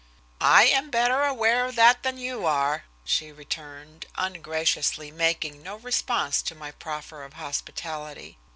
"I am better aware of that than you are," she returned, ungraciously making no response to my proffer of hospitality.